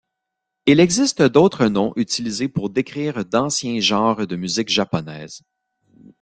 Il existe d'autres noms utilisés pour décrire d'anciens genres de musique japonaise.